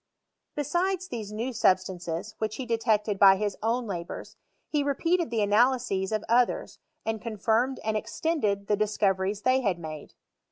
Besides these new substances, which he detected by his own labours, he repealed the analyses of others, and confirmed and extended the discoreries they had made.